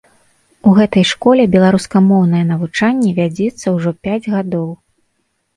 У гэтай школе беларускамоўнае навучанне вядзецца ўжо пяць гадоў.